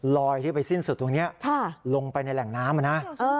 ที่ไปสิ้นสุดตรงนี้ลงไปในแหล่งน้ำนะ